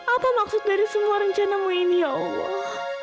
apa maksud dari semua rencanamu ini ya allah